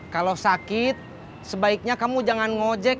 kalau sakit sebaiknya kamu jangan ngojek